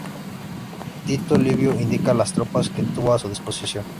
Tito Livio indica las tropas que tuvo a su disposición.